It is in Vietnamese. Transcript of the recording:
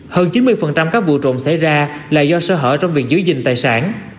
hơn chín mươi các vụ trộm xảy ra là do sơ hở trong viện giới dình tài sản